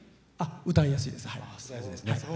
歌いやすいです。